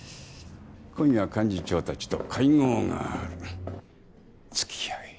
今夜幹事長たちと会合があるつきあえ。